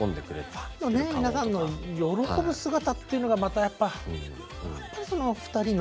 ファンの皆さんの喜ぶ姿っていうのがまたやっぱやっぱりその２人の。